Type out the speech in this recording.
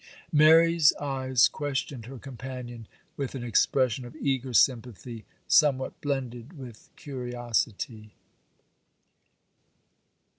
Mary's eyes questioned her companion with an expression of eager sympathy, somewhat blended with curiosity.